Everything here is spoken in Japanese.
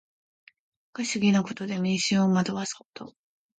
不可思議なことで民衆を惑わすこと。